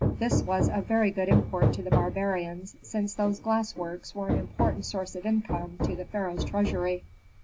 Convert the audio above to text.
This was of very good import to the barbarians, since those glass works were an important source of income to the pharaoh's treasury.